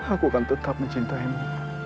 aku akan tetap mencintaimu